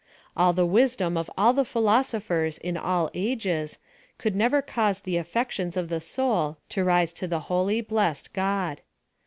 All the wisdom of all the philosophers in all ages, could never cause the aflections of the soul to rise to the holy blessed God.